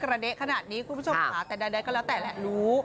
ระเด๊ะขนาดนี้คุณผู้ชมค่ะแต่ใดก็แล้วแต่แหละรู้